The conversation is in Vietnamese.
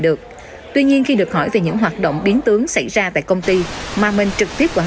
được tuy nhiên khi được hỏi về những hoạt động biến tướng xảy ra tại công ty mà mình trực tiếp quản